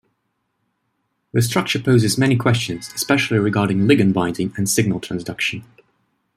The structure poses many questions, especially regarding ligand binding and signal transduction.